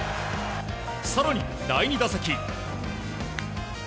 更に、第２打席。